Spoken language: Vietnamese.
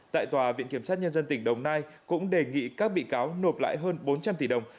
tại tòa viện kiểm sát nhân dân tỉnh đồng nai cũng đề nghị các bị cáo nộp lại hơn bốn trăm linh tỷ đồng